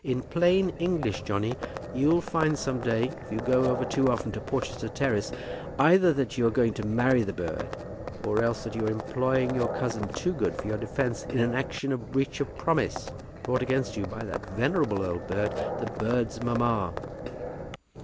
In plain English, Johnny, you'll find some day, if you go over too often to Porchester Terrace, either that you are going to marry the bird, or else that you are employing your cousin Toogood for your defence in an action for breach of promise, brought against you by that venerable old bird, the bird's mamma."